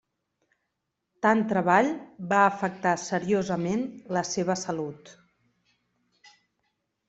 Tant treball va afectar seriosament la seva salut.